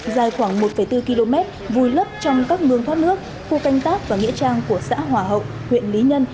dài khoảng một bốn km vùi lấp trong các mương thoát nước khu canh tác và nghĩa trang của xã hòa hậu huyện lý nhân